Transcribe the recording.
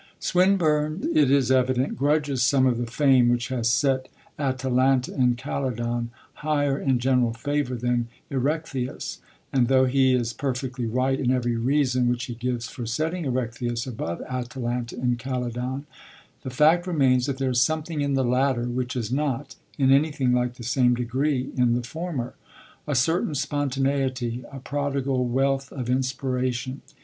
Swinburne, it is evident, grudges some of the fame which has set Atalanta in Calydon higher in general favour than Erechtheus, and, though he is perfectly right in every reason which he gives for setting Erechtheus above Atalanta in Calydon, the fact remains that there is something in the latter which is not, in anything like the same degree, in the former: a certain spontaneity, a prodigal wealth of inspiration.